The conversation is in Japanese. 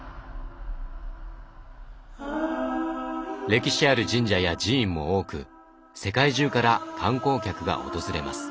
歴史ある神社や寺院も多く世界中から観光客が訪れます。